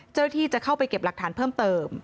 เจ้าหน้าที่จะเข้าไปเก็บหลักฐานเพิ่มเติม